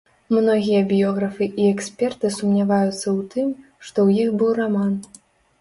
Многія біёграфы і эксперты сумняваюцца ў тым, што ў іх быў раман.